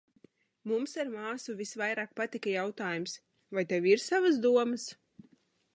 Mums ar māsu visvairāk patika jautājums "Vai tev ir savas domas?"